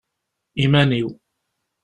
Iman-iw.